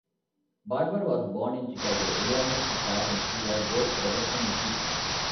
Barber was born in Chicago, Illinois to parents who were both professional musicians.